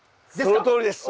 そのとおりですよ。